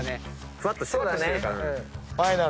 ふわっとしてるからね。